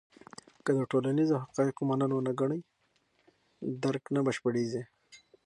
که د ټولنیزو حقایقو منل ونه کړې، درک نه بشپړېږي.